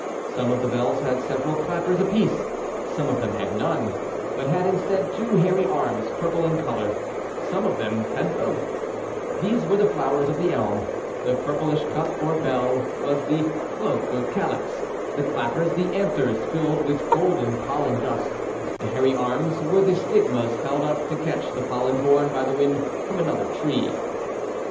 4). Some of the bells had several clappers apiece, some of them had none, but had instead two hairy (i arms, purple in color. Some of f them had both (Figures 5 and 6). s. stahihatb Theseweretheflowersoftheelm. The purplish cup, or bell, was the cloak or calyx; the clappers, the anthers filled with golden pollen dust ; the hairy arms were the stigmas held up to catch the pol len borne by the wind from another tree.